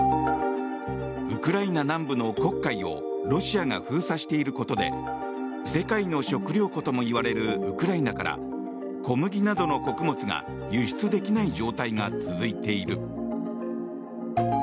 ウクライナ南部の黒海をロシアが封鎖していることで世界の食糧庫も言われるウクライナから小麦などの穀物が輸出できない状態が続いている。